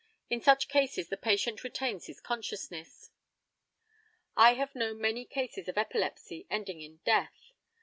In such cases the patient retains his consciousness. I have known many cases of epilepsy ending in death.